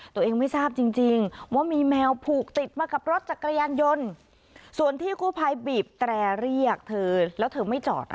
ตัวเองไม่ทราบจริงจริงว่ามีแมวผูกติดมากับรถจักรยานยนต์ส่วนที่กู้ภัยบีบแตรเรียกเธอแล้วเธอไม่จอด